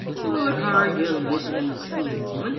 " What are you listening to, woman?